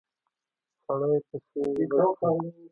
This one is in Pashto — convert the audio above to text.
سړي پسې غږ کړ!